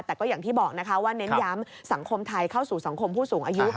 แต่ก็อย่างที่บอกนะคะว่าเน้นย้ำสังคมไทยเข้าสู่สังคมผู้สูงอายุ